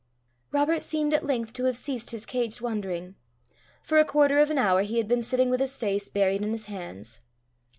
Robert seemed at length to have ceased his caged wandering. For a quarter of an hour he had been sitting with his face buried in his hands.